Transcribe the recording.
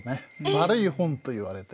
悪い本といわれて。